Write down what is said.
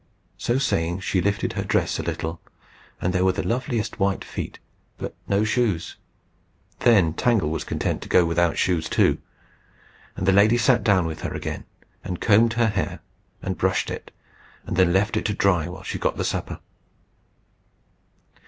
So saying she lifted her dress a little, and there were the loveliest white feet, but no shoes. Then Tangle was content to go without shoes too. And the lady sat down with her again, and combed her hair, and brushed it, and then left it to dry while she got the supper.